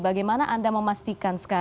bagaimana anda memastikan sekarang